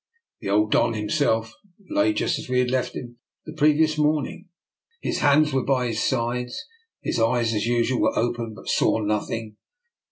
The old Don himself lay just as we had left him the previ ous morning. His hands were by his sides; his eyes, as usual, were open, but saw nothing.